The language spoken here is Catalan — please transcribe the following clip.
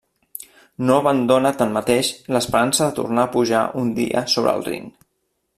No abandona tanmateix l'esperança de tornar a pujar un dia sobre el ring.